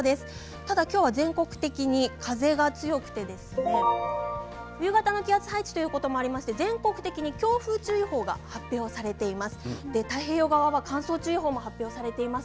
ただ今日は全国的に風が強くて冬型の気圧配置ということもあって全国的に強風注意報が発表されています。